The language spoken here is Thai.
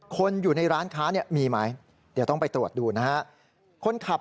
คนอยู่ในร้านค้าเนี่ยมีไหมเดี๋ยวต้องไปตรวจดูนะฮะคนขับ